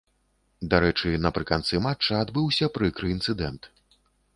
Дарэчы, напрыканцы матча адбыўся прыкры інцыдэнт.